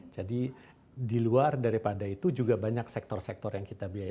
jadi di luar daripada itu juga banyak sektor sektor yang kita biayai